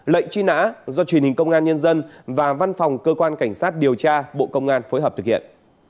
lệnh truy nã do truyền hình công an nhân dân và văn phòng cơ quan cảnh sát điều tra bộ công an phối hợp thực hiện